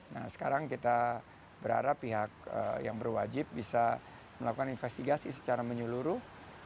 nah sekarang kita berharap pihak yang berwajib bisa melakukan investigasi secara menyeluruh